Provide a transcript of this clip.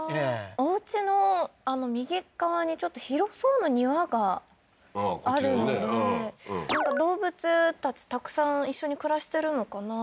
おうちの右側にちょっと広そうな庭があるんでなんか動物たちたくさん一緒に暮らしてるのかな